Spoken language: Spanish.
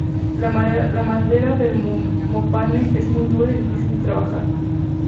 La madera del mopane es muy dura y difícil de trabajar.